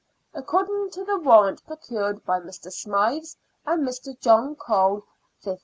. according to the warrant procured by Mr. Smythes and Mr. John Cole, £15."